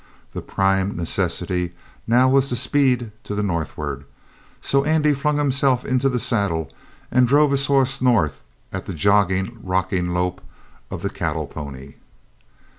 The prime necessity now was speed to the northward. So Andy flung himself into the saddle and drove his horse north at the jogging, rocking lope of the cattle pony.